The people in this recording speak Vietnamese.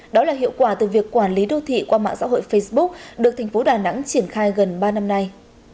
đó là hiệu quả từ việc quản lý đô thị qua mạng xã hội facebook được thành phố đà nẵng triển khai gần ba năm nay